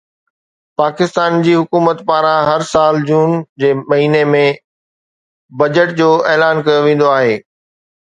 پاڪستان جي حڪومت پاران هر سال جون جي مهيني ۾ بجيٽ جو اعلان ڪيو ويندو آهي